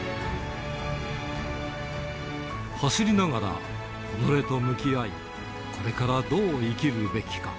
走りながら、己と向き合い、これからどう生きるべきか。